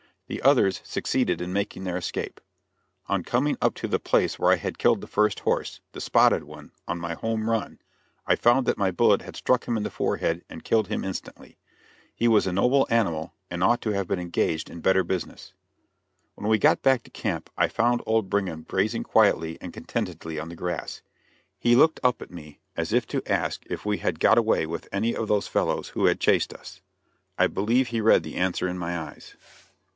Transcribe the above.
The others succeeded in making their escape. On coming up to the place where I had killed the first horse the spotted one on my "home run," I found that my bullet had struck him in the forehead and killed him instantly. He was a noble animal, and ought to have been engaged in better business. When we got back to camp I found old Brigham grazing quietly and contentedly on the grass. He looked up at me as if to ask if we had got away with any of those fellows who had chased us. I believe he read the answer in my eyes.